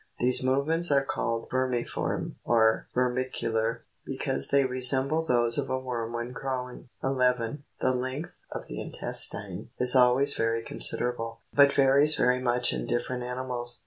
These movements are called vermiform or vermicular, because they resemble those of a worm when crawling. 1 1. The length of the intestine is always very considerable, but varies very much in different animals.